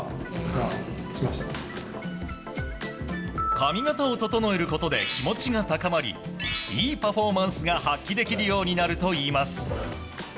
髪形を整えることで気持ちが高まりいいパフォーマンスが発揮できるようになるといいます。